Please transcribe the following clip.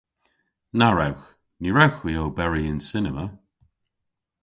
Na wrewgh! Ny wrewgh hwi oberi yn cinema.